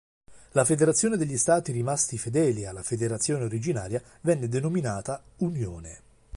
La federazione degli stati rimasti fedeli alla federazione originaria venne denominata Unione.